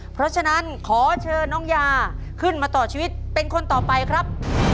เพราะฉะนั้นขอเชิญน้องยาขึ้นมาต่อชีวิตเป็นคนต่อไปครับ